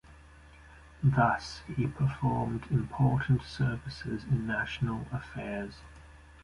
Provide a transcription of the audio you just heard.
Thus he performed important services in national affairs.